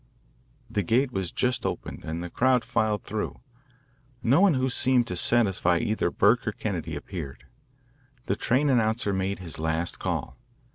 The gate was just opened, and the crowd filed through. No one who seemed to satisfy either Burke or Kennedy appeared. The train announcer made his last call.